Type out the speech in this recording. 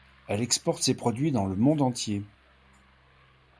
Elle exporte ses produits dans le monde entier.